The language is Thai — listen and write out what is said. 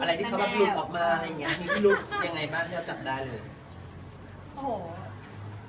อะไรที่พี่ลุกออกมาพี่ลุกยังไงบ้าง